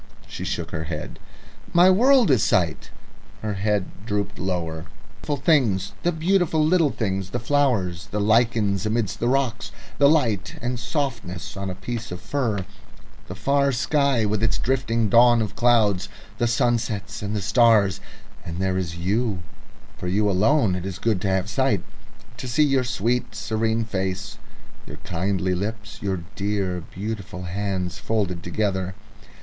She shook her head. "My world is sight." Her head drooped lower. "There are the beautiful things, the beautiful little things the flowers, the lichens among the rocks, the lightness and softness on a piece of fur, the far sky with its drifting down of clouds, the sunsets and the stars. And there is you. For you alone it is good to have sight, to see your sweet, serene face, your kindly lips, your dear, beautiful hands folded together...